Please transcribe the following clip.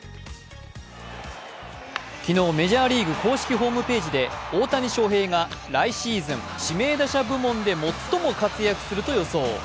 昨日、メジャーリーグの公式サイトで来シーズン、指名打者部門で最も活躍すると予想。